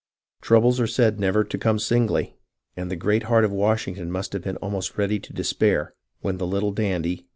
Troubles are said never to come singly, and the great heart of Washington must have been almost ready to de spair, when the little dandy.